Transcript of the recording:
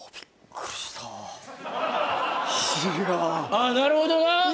あなるほどな！